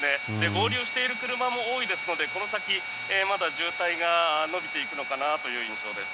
合流している車も多いのでこの先、まだ渋滞が延びていくのかなという印象です。